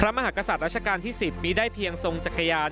มหากษัตริย์ราชการที่๑๐มีได้เพียงทรงจักรยาน